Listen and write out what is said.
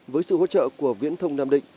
với sự hỗ trợ của viễn thông nam định